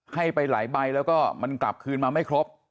ให้ไปหลายใบแล้วก็มันกลับคืนมาไม่ครบ